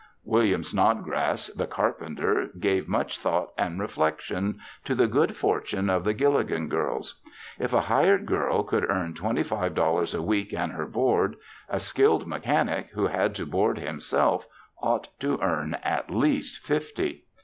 William Snodgrass, the carpenter, gave much thought and reflection to the good fortune of the Gilligan girls. If a hired girl could earn twenty five dollars a week and her board, a skilled mechanic who had to board himself ought to earn at least fifty.